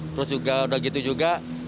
terus juga udah gitu juga